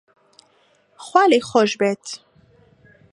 خوا لێی خۆش بێت